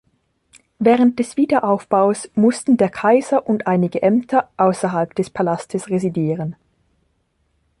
Während des Wiederaufbaus mussten der Kaiser und einige Ämter außerhalb des Palastes residieren.